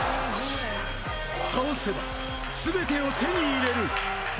倒せば全てを手に入れる。